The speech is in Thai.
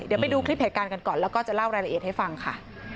เดี๋ยวไปดูคลิปเหตุการณ์กันก่อนแล้วก็จะเล่ารายละเอียดให้ฟังค่ะ